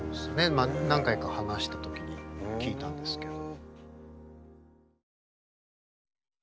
まあ何回か話した時に聞いたんですけど。